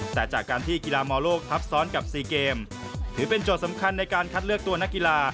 แต่จากการที่กีฬามอลโลกทับซ้อนกับ๔เกมถือเป็นโจทย์สำคัญในการคัดเลือกตัวนักกีฬา